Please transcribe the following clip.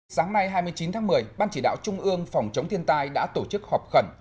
sáng nay hai mươi chín tháng một mươi ban chỉ đạo trung ương phòng chống thiên tai đã tổ chức họp khẩn